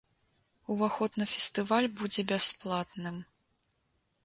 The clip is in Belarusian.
Уваход на фестываль будзе бясплатным.